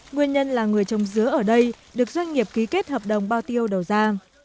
nguyên nhân là người trồng dứa ở đây được doanh nghiệp ký kết hợp đồng bao tiêu đầu ra